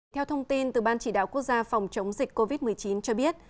theo thông tin từ ban chỉ đạo quốc gia phòng chống dịch covid một mươi chín cho biết